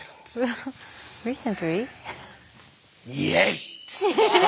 イエイ！